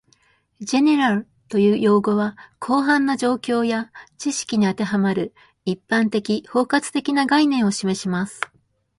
"General" という用語は、広範な状況や知識に当てはまる、一般的・包括的な概念を示します